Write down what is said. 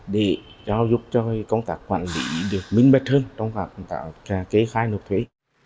để giúp cho công tác quản lý được minh mệt hơn trong công tác kế khai nộp thuế